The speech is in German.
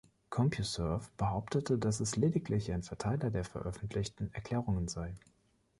CompuServe behauptete, dass es lediglich ein Verteiler der veröffentlichten Erklärungen sei.